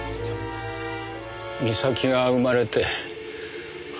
美咲が生まれて。